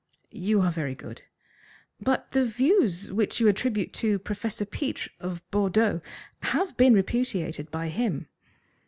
"You are very good." "But the views which you attribute to Professor Pitres, of Bordeaux, have been repudiated by him."